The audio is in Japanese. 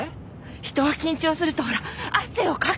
人は緊張するとほら汗をかく！